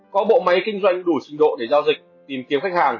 có bộ máy kinh doanh đủ trình độ để giao dịch tìm kiếm khách hàng